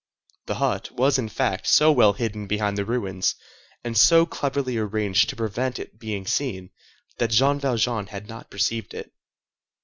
The hut was, in fact, so well hidden behind the ruins, and so cleverly arranged to prevent it being seen, that Jean Valjean had not perceived it.